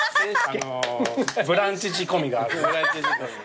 『ブランチ』仕込みがある。